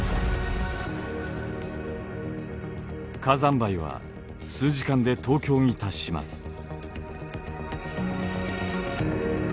火山灰は数時間で東京に達します。